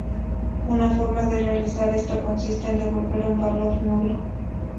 Una forma de realizar esto consiste en devolver un valor "nulo".